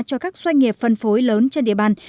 cho các doanh nghiệp phân phối lớn trên địa bàn